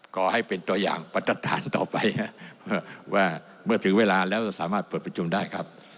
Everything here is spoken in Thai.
ขอให้เป็นตัวอย่างปฏิฐานต่อไปว่าเมื่อถึงเวลาแล้วจะสามารถเปิดประชุมได้ครับ